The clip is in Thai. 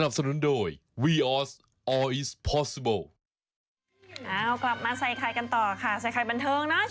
กลับมาใส่ใครกันต่อค่ะใส่ใครบันเทิงนะช่วงนี้